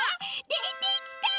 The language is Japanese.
でてきた！